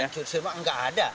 ancur semua nggak ada